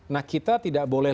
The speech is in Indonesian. nah kita tidak boleh